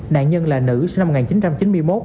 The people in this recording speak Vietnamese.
nạn nhân là nữ sinh năm một nghìn chín trăm chín mươi một